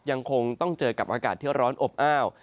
ยังคงต้องเจอกับอากาศที่ร้อนอบอ้าว